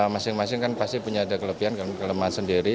masing masing kan pasti punya ada kelebihan kelemahan sendiri